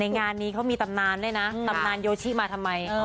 งานนี้เขามีตำนานด้วยนะตำนานโยชิมาทำไม